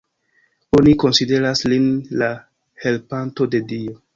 Oni konsideras lin la helpanto de Dio.